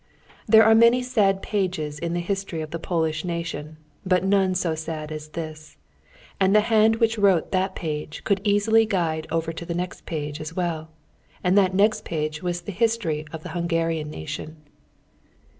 There are many sad pages in the history of the Polish nation, but none so sad as this. And the hand which wrote that page could easily glide over to the next page also, and that next page was the history of the Hungarian nation.